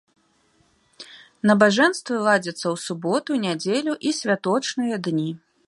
Набажэнствы ладзяцца ў суботу, нядзелю і святочныя дні.